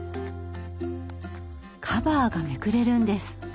カバーがめくれるんです。